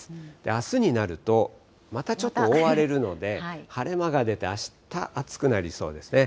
あすになると、またちょっと覆われるので、晴れ間が出て、明日、暑くなりそうですね。